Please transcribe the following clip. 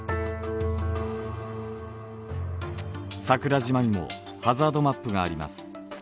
桜島にもハザードマップがあります。